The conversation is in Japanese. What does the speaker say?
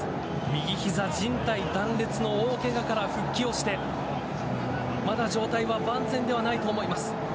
右膝靭帯断裂の大けがから復帰をしてまだ状態は万全ではないと思います。